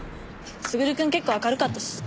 優くん結構明るかったし。